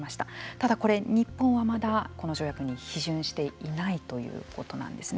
ただ、これ日本はまだこの条約に批准していないということなんですね。